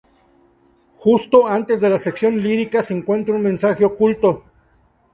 Justo antes de la sección lírica, se encuentra un mensaje oculto.